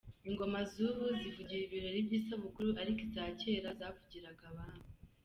Ingoma z’ubu zivugira ibirori by’isabukuru, ariko iza kera zavugiraga Abami :.